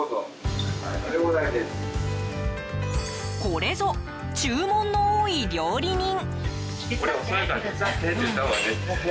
これぞ、注文の多い料理人。